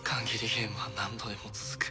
ゲームは何度でも続く。